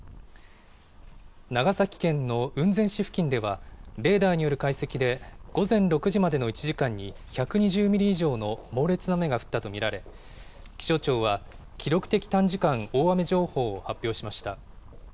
長崎県の雲仙市付近では、レーダーによる解析で、午前６時までの１時間に１２０ミリ以上の猛烈な雨が降ったと見られ、気象庁は、記録的短時間大雨情報を発表しました。